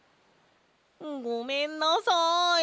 ごめんなさい。